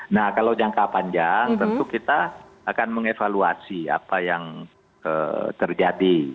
nah kalau jangka panjang tentu kita akan mengevaluasi apa yang terjadi